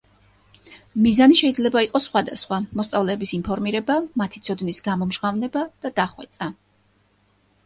მიზანი შეიძლება იყოს სხვადასხვა: მოსწავლეების ინფორმირება, მათი ცოდნის გამომჟღავნება და დახვეწა.